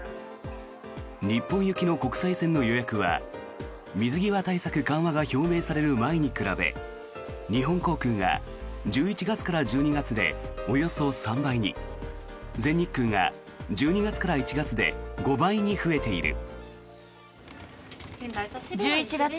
日本行きの国際線の予約は水際対策緩和が表明される前に比べ日本航空が１１月から１２月でおよそ３倍に全日空が１２月から１月で５倍に増えている。